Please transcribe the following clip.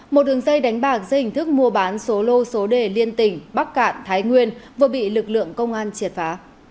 một đường dây đánh bạc dây hình thức mua bán số lô số đề liên tỉnh bắc cạn thái nguyên vừa bị lực lượng công an triệt phá